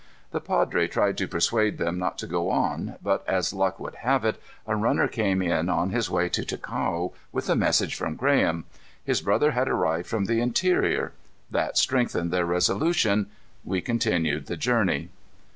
The padre tried to persuade them not to go on, but as luck would have it, a runner came in on his way to Ticao with a message from Graham. His brother had arrived from the interior. That strengthened their resolution. We continued the journey.